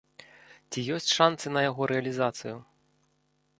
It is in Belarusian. Ці ёсць шанцы на яго рэалізацыю?